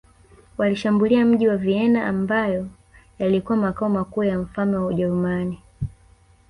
Walishambulia mji wa Vienna ambayo yalikuwa makao makuu ya ufalme wa Ujerumani